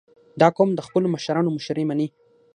• دا قوم د خپلو مشرانو مشورې منې.